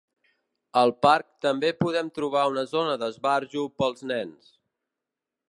Al parc també podem trobar una zona d'esbarjo pels nens.